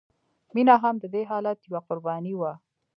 مینه هم د دې حالت یوه قرباني وه